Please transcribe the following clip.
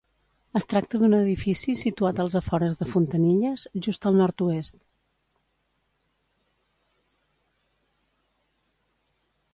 Es tracta d'un edifici situat als afores de Fontanilles, just al nord-oest.